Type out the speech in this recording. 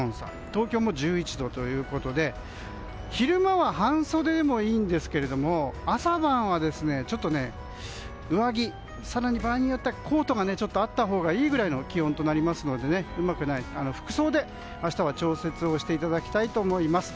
東京も１１度ということで昼間は半袖でもいいんですけれども朝晩は上着、更に場合によってはコートがあったほうがいいぐらいの気温となりますので服装で明日は調節をしていただきたいと思います。